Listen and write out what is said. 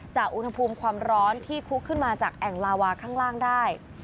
อุณหภูมิความร้อนที่คุกขึ้นมาจากแอ่งลาวาข้างล่างได้